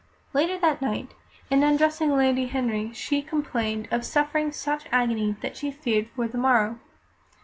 Later that night, in undressing Lady Henry, she complained of suffering such agony that she feared for the morrow.